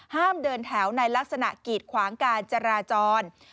ห้ามเดินแถวในลักษณะกีดขวางการจราจร